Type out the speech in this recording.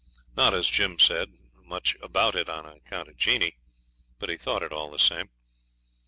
Not as Jim said much about it on account of Jeanie; but he thought it all the same.